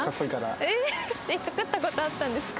えっ作った事あったんですか？